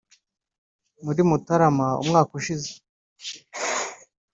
muri Mutarama umwaka ushize